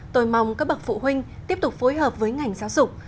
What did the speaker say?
tôi mong các bậc phụ huynh tiếp tục phối hợp với ngành giáo dục